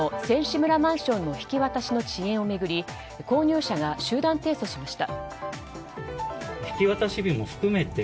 村マンションの引き渡しの遅延を巡り購入者が集団提訴しました。